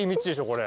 これ。